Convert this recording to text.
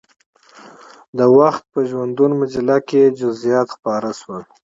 د وخت په ژوندون مجله کې یې جزئیات خپاره شول.